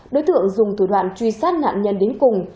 đối tượng dùng thủ đoạn truy sát nạn nhân đến cùng